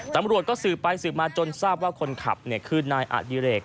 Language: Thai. ตำรวจก็สื่อไปสื่อมาจนทราบว่าคนขับเนี่ยคืนนายอาธิเรก